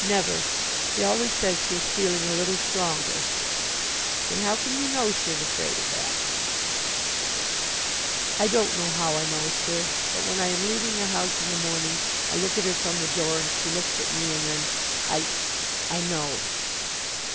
"Never. She always says she is feeling a little stronger." "Then how can you know she is afraid of that?" "I don't know how I know, sir, but when I am leaving the house in the morning I look at her from the door, and she looks at me, and then I I know."